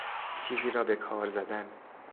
چیزی را بهکار زدن